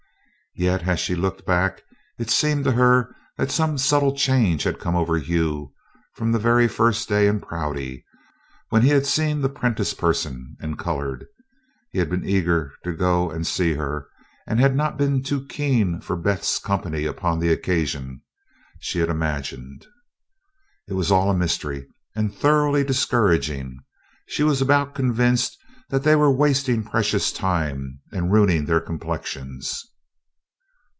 Yet as she looked back it seemed to her that some subtle change had come over Hugh from the very first day in Prouty, when he had seen the Prentice person and colored. He had been eager to go and see her, and had not been too keen for Beth's company upon the occasion, she had imagined. It was all a mystery, and, thoroughly discouraged, she was about convinced that they were wasting precious time and ruining their complexions.